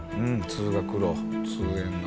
通学路通園の。